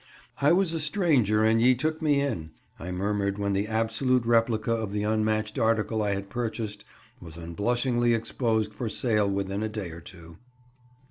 "I was a stranger and ye took me in," I murmured when the absolute replica of the unmatched article I had purchased was unblushingly exposed for sale within a day or two.